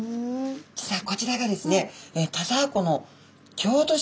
実はこちらがですね